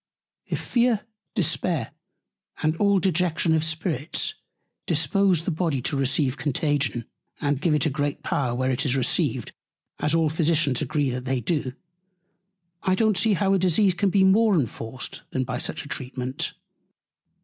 If Fear, Despair, and all Dejection of Spirits dispose the Body to receive Contagion, and give it a great Power, where it is received, as all Physicians agree they do, I don't see how a Disease can be more enforced, than by such a Treatment.